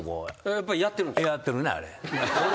やっぱりやってるんですか？